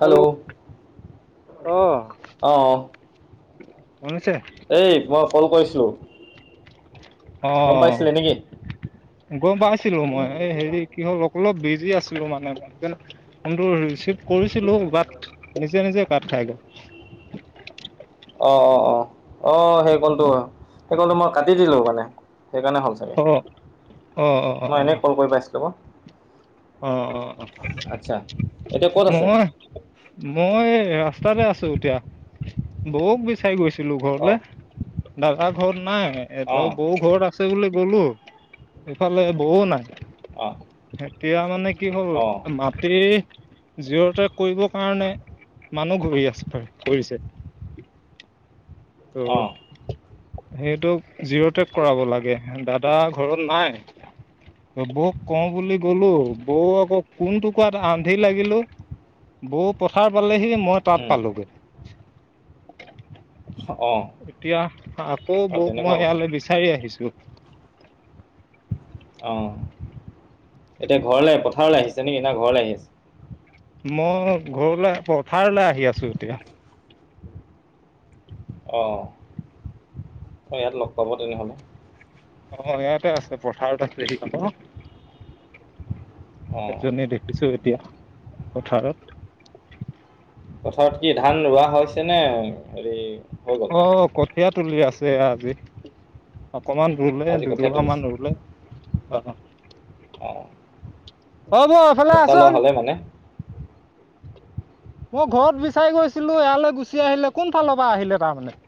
Hello অ অ [inaudible] এই মই কল কৰিছিলোঁ? অ গম পাইছিলে নেকি গম পাইছিলো মই এই হেৰি কি হ'ল অলপ বিজি আ- মানে ফোনটো ৰিচিভ কৰিছিলো বাট নিজে নিজে কাট খাই গ'ল। অ অ অ অ সেই কলটো সেই কলটো মই কাটি দিলো মানে সেইকাৰণে হ'ল চাগে। অ অ অ অ মই এনেই কল কৰি পাইছিলো ক অ অ অ আচ্ছা এতিয়া ক'ত আছে মই মই ৰাস্তাতে আছো এতিয়া। বৌক বিচাই গৈছিলো ঘৰলে অঁ দাদা ঘৰত নাই অঁ বৌ ঘৰত আছে বুলি গলো ইফালে বৌও নাই। অ এতিয়া মানে কি হ'ল মাটি জিঅ টেগ কৰিবৰ কাৰণে মানুহ ঘূৰি আছে কৰিছে। অঁ ত সেইটোক জিৰ' টেক কৰাব লাগে দাদা ঘৰত নাই। বৌক কওঁ বুলি গলো বৌ আকৌ কোন টোকাত আন্ধি লাগিলো। বৌ পথাৰ পালেহি মই তাত উম, পালোঁগে অঁ এতিয়া আকৌ অঁ বৌক তেনেকুৱা মই কথা ইয়ালে বিচাৰি আহিছোঁ। অ এতিয়া ঘৰলে পথাৰলে আহিছে নিকি না ঘৰলে আহি আছে। মই ঘৰলে পথাৰলে আহি আছো এতিয়া। অ অ ইয়াত লগ পাব তেনেহ'লে অ ইয়াতে আছে পথাৰত আছেহি আক অঁ এজনী দেখিছো এতিয়া পথাৰত পথাৰত কি ধান ৰোৱা হৈছে নে হেৰি হৈ গ'ল অ কঠীয়া তুলি আছে আজি অকমান ৰুলে আজি দু কঠীয়া দুবা মান তুলিছে ৰুলে অ অ ও বৌ এইফালে আচোন। মই ঘৰত বিচাৰি গৈছিলো ইয়ালৈ গুচি আহিলে কোনফালৰ পৰা আহিলে তাৰমানে।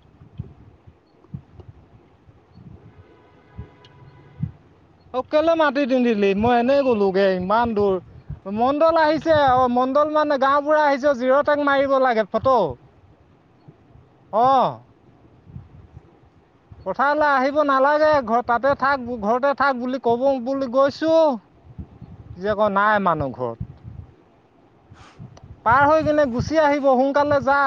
[unintelligible] অকলে মাতি দিন্ধিলি মই এনেই গ'লোগে ইমান দূৰ। মণ্ডল আহিছে অ মণ্ডল মানে গাও বুঢা আহিছে জিৰ তাক মাৰিব লাগে ফটো। উ [unintelligible] অহ। পথাৰলে আহিব নালাগে ঘ তাতে থাক ঘৰতে থাক বুলি কব বুলি গৈছো। আজি আকৌ নাই মানুহ ঘৰত। পাৰ হৈ কিনে গুচি আহিব সোনকালে যা।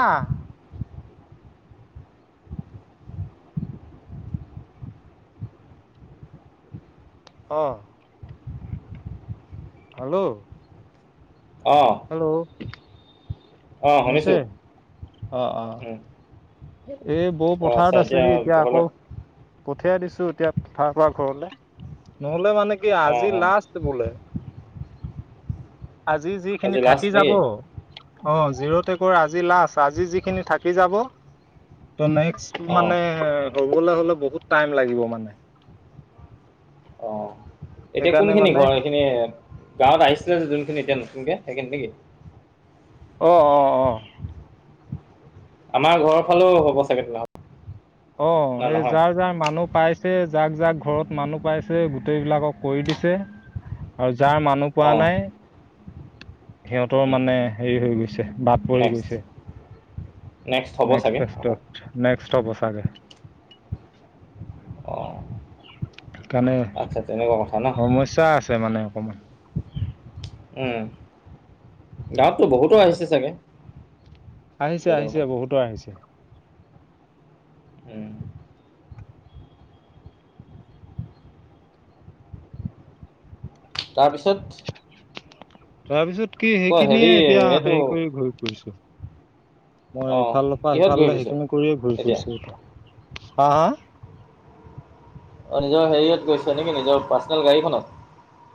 অহঁ। হেল্ল'। অ। হেল্ল' অ শুনিছো। শুনিছে অ অ এই বৌ অঁ আচ্ছা পথাৰত আছেহি এতিয়া আকৌ। ঘৰলৈ পঠিয়াই দিছো এতিয়া পথাৰ পৰা ঘৰলে নহলে মানে কি অঁ আজি অঁ লাষ্ট বোলে। আজি যিখিনি লাষ্ট থাকি যাব। নেকি অ জিৰ' টেকৰ আজি লাষ্ট আজি যিখিনি থাকি যাব। ত নেক্স অঁ মানে হবলে হলে বহুত টাইম লাগিব মানে। অ। এতিয়া কোন সেইকাৰণে খিনি মানে ঘৰ এইখিনি গাঁৱত আহিছিলে যে যোনখিনি এতিয়া নতুনকে। সেই কে নিকি। অহ অ অ। আমাৰ ঘৰৰ ফালেও হ'ব চাগ তেনেহলে। অ না সেই নহয় যাৰ যাৰ মানুহ পাইছে। যাক যাক ঘৰত মানুহ পাইছে গোটেই বিলাকক কৰি দিছে আৰু। যাৰ মানুহ পোৱা অঁ নাই। সিহঁতৰ মানে হেৰি হৈ গৈছে। বাদ পৰি নেক্সট গৈছে নেক্সট হ'ব চাগে নেক্স আকৌ ন। ষ্ট বচাকে। অঁ কাৰণে আচ্ছা তেনেকুৱা কথা ন সমস্যা আছে মানে অকমান। উম গাঁৱততো বহুতৰ আহিছে চাগে। আহিছে য'তে আহিছে ত'তে। বহুতো আহিছে। উম, তাৰপিছত। তাৰপিছত কি ক সেইখিনিয়ে হেৰি এতিয়া এইটো হেৰি কৰি ঘূৰি ফুছো। মই অঁ ইফালৰ পৰা কিহত ঘূৰি সিফালে ফুৰিছ সেইখিনি কৰিয়ে ঘূৰি এতিয়া ফুৰিছো এতিয়া। হা হা। অ নিজৰ হেৰিয়ত গৈছে নেকি নিজৰ পাৰ্চনেল গাড়ীখনত।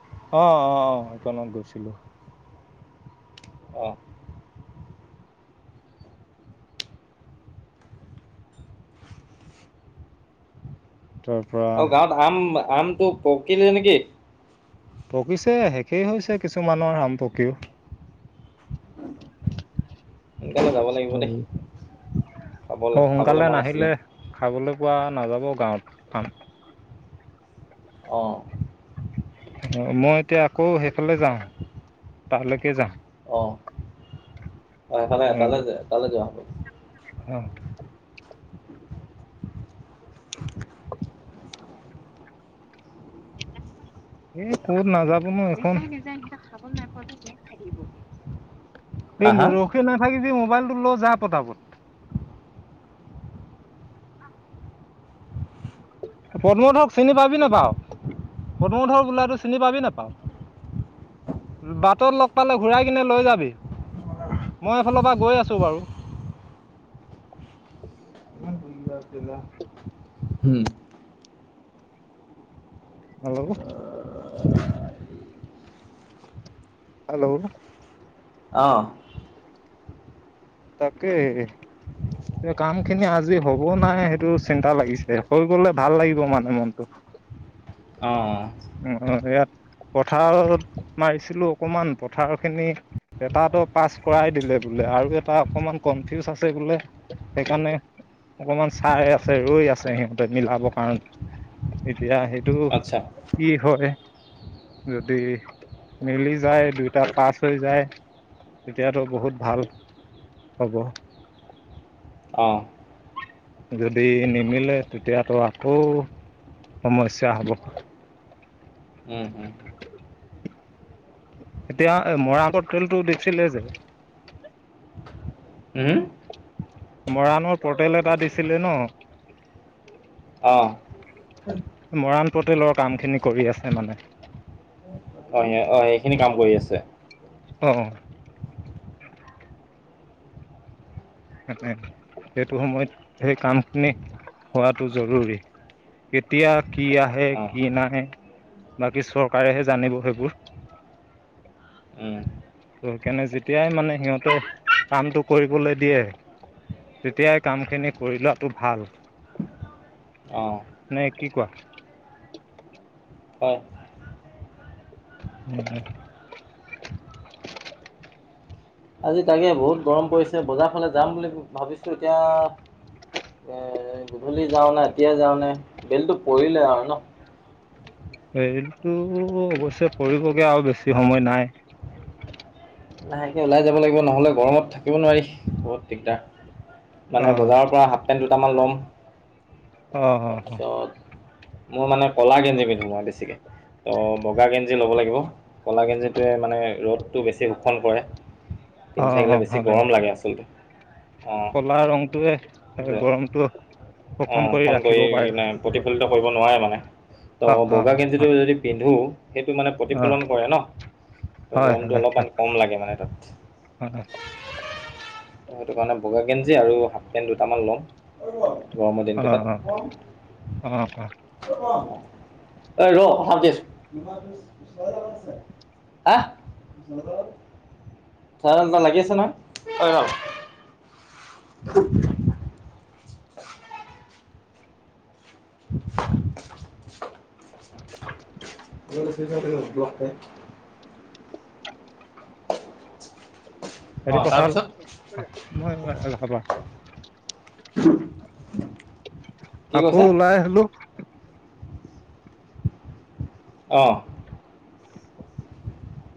অহ অ অ সেইখনত গৈছিলো। অঁ তাৰ পৰা ত গাঁৱত আম আমটো পকিলে নেকি। পকিছে শেষেই হৈছে কিছুমানৰ আাম পকিও। সোনকালে যাব লাগিব দেই। খাব অ খাবলৈ সোনকালে মন নাহিলে আছিলে খাবলৈ পোৱা নাযাব গাঁৱত খাম। অ। অ মই এতিয়া আকৌ সেইফালে যাওঁ তালৈকে যাওঁ। অফাল তালে য তালে যোৱা। অ। এ ক'ত নাযাব নো এখন। হা এইম হা ৰখে নাথাকিবি মোক। মবাইলটো ল যা পতা পত। পদ্ম হতক চিনি পাবি নেপাও? পদ্মধৰ বোলোতো চিনি পাবি নাপাও? বাটত লগ পালে ঘূৰাই কিনে লৈ যাবি। মই এইফালৰ পৰা গৈ আছো বাৰু। [unintelligible] হেল্ল' হেল্ল' অহ তাকে কাম খিনি আজি হব নাই সেইটো চিন্তা লাগিছে হৈ গলে ভাল লাগিব মানে মনটো উ উ ইয়াত পথাৰত মাৰিছিলো অকমান পথাৰ খিনি এটাতো পাছ কৰাই দিলে বুলি আৰু এটা অকমান কনফিউজ আছে বোলে সেইকাৰণে অকমান চাই আছে ৰৈ আছে সিহঁতে মিলাবৰ কাৰণে এতিয়া সেই আচ্ছা কি হয় যদি মিলি যায় দুইটা পাছ হৈ যায় তেতিয়াতো বহুত ভাল হ'ব অঁ যদি নিমিলে তেতিয়াতো আকৌ সমস্যা হ'ব উম হুম এতিয়া মৰা আগৰ তেলটো দিখছিলে যে হুম মৰাণৰ পৰ্টেল এটা দিছিলে ন অ মৰাণ পটলৰ কাম খিনি কৰি আছে মানে অ অ সেইখিনি কাম কৰি আছে। অ অ। সেইটো সময়ত সেই কামখিনি হোৱাটো জৰুৰী। কেতিয়া কি আহে অঁ কি নাহে বাকী চৰকাৰেহে জানিব সেইবোৰ। [unintelligible] ত সেইকাৰণে যেতিয়াই মানে সিহঁতে কামটো কৰিবলৈ দিয়ে তেতিয়াই কাম খিনি কৰি লোৱাতটো ভাল। অঁ নে কি কোৱা? হয় উ [inaudible] আজি তাকে বহুত গৰম পৰিছে বজাৰ ফালে যাম বুলি ভাবিছো এতিয়া এ গধূলি যাওঁ ন এতিয়াই যাওঁ নে বেলটো পৰিলে আৰু ন। বেলিটো অৱশ্যে পৰিবগে আও বেছি সময় নাই। লাহেকে ওলাই যাব লাগিব নহলে গৰমত থাকিব নোৱাৰি বহুত দিগদাৰ। মানে অ' বজাৰৰ পৰা হাফ পেণ্ট দুটামান ল'ম। অ অ। তাৰপিছত মোৰ মানে কলা গেঞ্জী পিন্ধো মই বেছিকে। ত বগা গেঞ্জি ল'ব লাগিব কলা গেঞ্জিটোৱে মানে ৰ'দটো বেছি শোষণ কৰে। পিন্ধি অ' থাকিলে অ', বেছি হয় গৰম লাগে আচলতে। অঁ কলা ৰংটোয়ে গৰমটো অ শোষণ কৰি ৰাখিব পাৰে কিনে সেইটো হয় প্ৰতিফলিত কৰিব নোৱাৰে মানে। ত অ' অ' বগা গেঞ্জীটো অ' যদি পিন্ধো সেইটো মানে অ', প্ৰতিফলন কৰে ন। ত হয় গৰমটো হয় হয় অলপমান কম লাগে মানে তাত। হয়, ত সেইটো কাৰণে বগা গেঞ্জি আৰু হাফ পেন দুটামান ল'ম। তাত অ' অ' অ' অ' [unintelligible] অ ৰ আহ লাগি আছে নহ অ [inaudible] যে [unintelligible] এটো অঁ কথা তাৰপিছত [inaudible] মই এনেক হাবা [inaudible] কি আকৌ কৈছে ওলাই আহিলো অহ।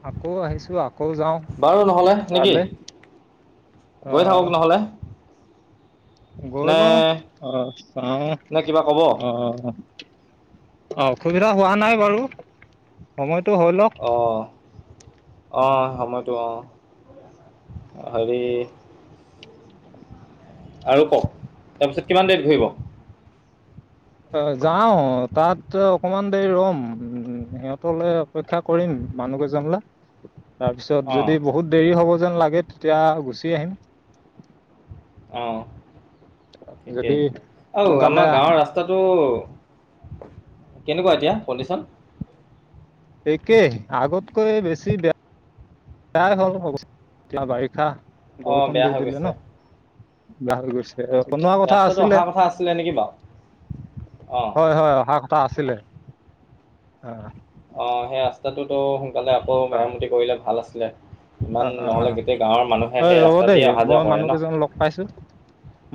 আকৌ আহিছো আও। আকৌ যাওঁ বাৰু নহ'লে নেকি তালে গৈ থাকক আহ নহ'লে গৈ নে লওঁ, অ চ অ নে কিবা ক'ব অ অসুবিধা হোৱা নাই বাৰু সময়টো হৈ লওক। অ সময়টো অ হেৰি আৰু কওক তাৰপিছত কিমান দেৰিত ঘূৰিব? অ যাও তাত অকমান দেৰি ৰম উ সিহঁতলৈ অপেক্ষা কৰিম। মানুহ কেজনলে। তাৰ পিছত অঁ যদি বহুত দেৰি হ'ব যেন লাগে তেতিয়া গুচি আহিম। যদি আহ সোনকালে আমাৰ গাঁৱৰ ৰাস্তাটো কেনেকুৱা এতিয়া কণ্ডিশন? একেই আগতকৈ বেছি বেয়া। তাই হ'ল বাৰিষা অঁ বৰষুণ বেয়া দি হৈ দিলে গৈছে ন। বা হৈ গৈছে। বনোৱা কথা ৰাস্তাটো অহা আছিলে, কথা আছিলে নেকি বাৰু অঁ হয় হয় অহা এটা আছিলে অ অ সেই ৰাস্তাটোতো সোনকালে আকৌ অ মেৰামতি কৰিলে ভাল আছিলে। অ ইমান অ নহ'লে গোটেই গাঁৱৰ মানুহে অ সেই ৰব ৰাস্তা দেই দিয়ে অহা যোৱা মই কৰে মানুহ ন কেইজন লগ পাইছো।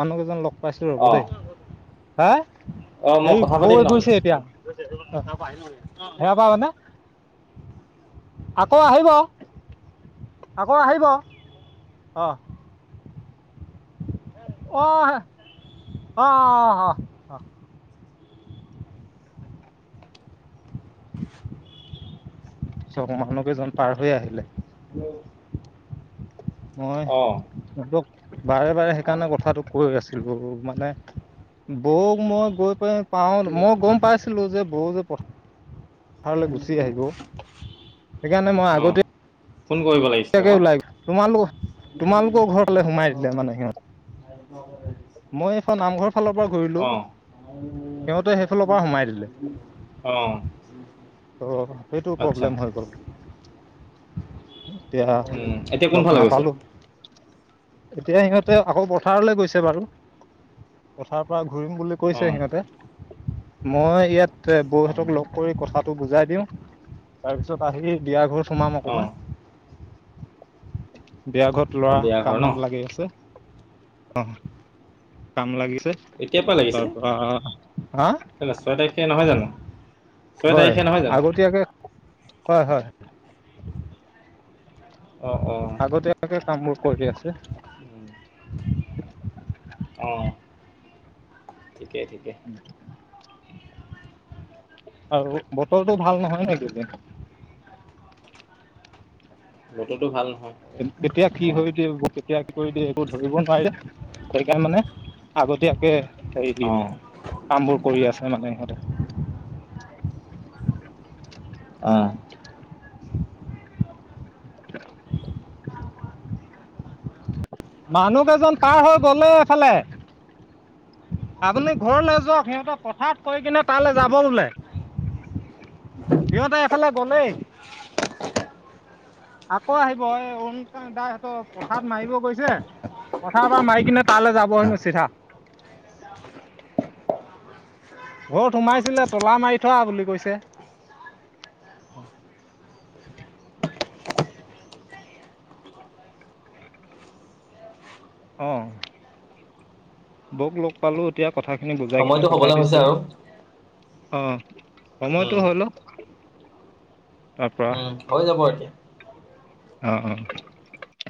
মানুহ কেইজন লগ পাইছো ৰ'ব অঁ দেই হা অঁ মই হেই কথা বৈ পাতিম নহ'লে গৈছে এতিয়া উম, সেয়া পা মানে আকৌ আহিব। আকৌ আহিব অ আহা আ অ অ অ চক মানুহ কেইজন পাৰ হৈ আহিলে মই অঁ সিহঁতক বাৰে বাৰে সেইকাৰণে কথাটো কৈ আছিলো মানে, বৌক মই গৈ পাই পাও মই গম পাইছিলো যে বৌ যে প পথাৰলৈ গুচি আহিব সেইকাৰণে মই অঁ আগতে ফোন কৰিব লাগিছিলে তাকে আকৌ ওলাই তোমালোকৰ তোমালোকৰ ঘৰলে সোমাই দিলে মানে সিহঁত মই এখন নামঘৰ ফালৰ পৰা ঘূৰিলো। অঁ সিহঁতে সেইফালৰ পৰা সোমাই দিলে অঁ অ সেইটো আচ্ছা প্ৰব্লেম হৈ গ'ল এতিয়া। উম, এতিয়া লগ কোনফালে গৈছে নাপালো এতিয়া সিহঁতে আকৌ পথাৰলৈ গৈছে বাৰু পথাৰ পৰা ঘূৰিম বুলি কৈছে অঁ সিহঁতে মই ইয়াত অঁ বৌহঁতক লগ কৰি কথাটো বুজাই দিওঁ তাৰপিছত আহি বিয়া ঘৰত সোমাম অঁ অকমান বিয়া ঘৰত লৰা অঁ বিয়া ঘৰ ন কামত লাগি আছে অ কাম লাগি এতিয়াৰ পৰা লাগিছে তাৰপ হা। কেলৈ ছয় তাৰিখে নহয় জানো ছয় হয় তাৰিখে নহয় জানো আগতীয়াকে হয় হয়। অঁ অঁ আগতেকে কামবোৰ কৰি আছে। অ। ঠিকে ঠিকে। আৰু বতৰটো ভাল নহয় নেকী? টো ভাল নহয়। কেতিয়া কি অঁ হৈ দিয়ে, কেতিয়া কি কৰি দিয়ে এইবোৰ ধৰিব নোৱাৰিলে সেইকাৰণে মানে আগতীয়াকে সেই অঁ কামবোৰ কৰি আছে মানে সিহঁতে। আহ। [inaudible] মানুহ কেইজন পাৰ হৈ গল অ এফালে। আপুনি ঘৰলে যওক, সিহঁতে পথাৰত কৈ কিনে তালৈ যাব বোলে। সিহঁতে এফালে গলেই। [inaudible] আকৌ আহিব এই ও দাই সিহতৰ পথাৰ মাৰিব গৈছে কথা এবাৰ মাৰি কিনে তালৈ যাব হেনো চিধা। ঘৰত সোমাইছিলে তলা মাৰি থোৱা বুলি কৈছে। [inaudible] অ বৌক লগ পালো এতিয়া কথাখিনি বুজাই কিনে সময়টো পঠাই হ'বলৈ হৈছে দিছো। আৰু অ সময়টো উম হ'ল, তাৰ পৰা। উম হৈ যাব এতিয়া। অ অ।